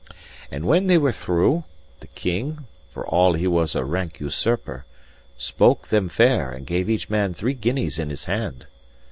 And when they were through, the King (for all he was a rank usurper) spoke them fair and gave each man three guineas in his hand.